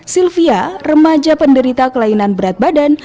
sylvia remaja penderita kelainan berat badan